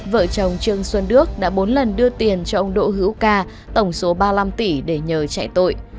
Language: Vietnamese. vợ chồng trương xuân đức đã bốn lần đưa tiền cho ông đỗ hữu ca tổng số ba mươi năm tỷ để nhờ chạy tội